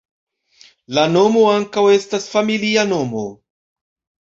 La nomo ankaŭ estas familia nomo.